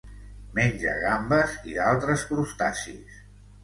Menja gambes i d'altres crustacis.